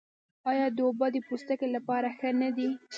آیا دا اوبه د پوستکي لپاره ښې نه دي؟